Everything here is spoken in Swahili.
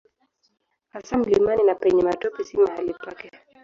Hasa mlimani na penye matope si mahali pake.